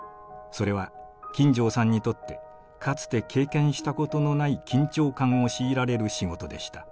それは金城さんにとってかつて経験したことのない緊張感を強いられる仕事でした。